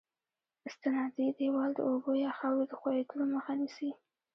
استنادي دیوال د اوبو یا خاورې د ښوېدلو مخه نیسي